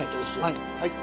はい。